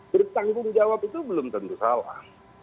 bertanggung jawab itu belum tentu salah